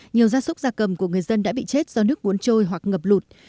nhiều gia súc gia cầm của người dân đã bị chết do nước cuốn trôi hoặc ngập lụt